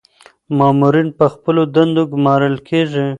مامورین په خپلو دندو ګمارل کیږي.